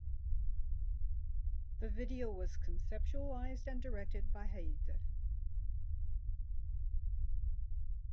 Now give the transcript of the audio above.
The video was conceptualized and directed by Hegde.